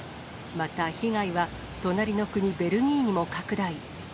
また、被害は隣の国、ベルギーにも拡大。